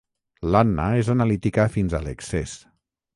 L'Anna és analítica fins a l'excés.